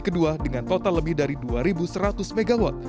kedua dengan total lebih dari dua seratus mw